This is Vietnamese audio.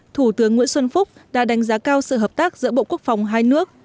thủ tướng nguyễn xuân phúc đã đánh giá cao sự hợp tác giữa bộ quốc phòng hai nước